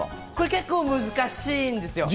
結構難しいんですよ。